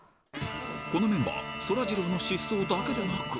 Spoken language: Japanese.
このメンバー、そらジローの失踪だけでなく。